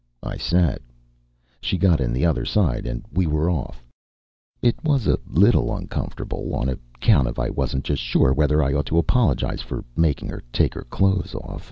I sat. She got in the other side and we were off. It was a little uncomfortable on account of I wasn't just sure whether I ought to apologize for making her take her clothes off.